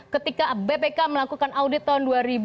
ketika bpk melakukan audit tahun dua ribu